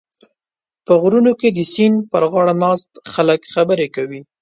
په غرونو کې د سیند پرغاړه ناست خلک خبرې کوي.